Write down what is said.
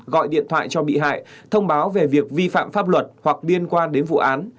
gọi điện thoại cho bị hại thông báo về việc vi phạm pháp luật hoặc liên quan đến vụ án